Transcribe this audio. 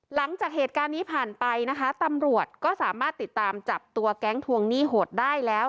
หลังจากเหตุการณ์นี้ผ่านไปนะคะตำรวจก็สามารถติดตามจับตัวแก๊งทวงหนี้โหดได้แล้ว